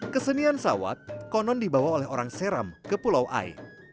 kesenian sawat konon dibawa oleh orang seram ke pulau ai